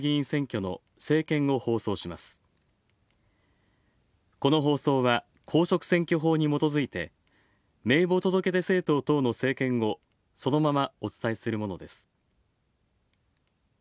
この放送は公職選挙法にもとづいて名簿届出政党等の政見をそのままお伝えするものです。